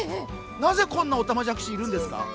なぜ、こんなにおたまじゃくしいるんですか？